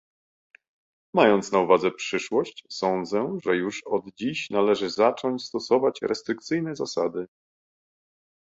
Mając na uwadze przyszłość, sądzę, że już od dziś należy zacząć stosować restrykcyjne zasady